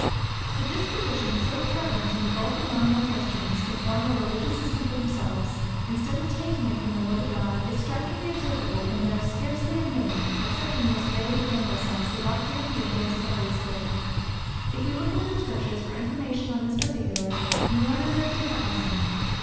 The disposition so prevalent in the bulk of nominal Christians, to form a religious system for themselves, instead of taking it from the word of God, is strikingly observable in their scarcely admitting, except in the most vague and general sense, the doctrine of the influence of the Holy Spirit. If we look into the Scriptures for information on this particular, we learn a very different lesson.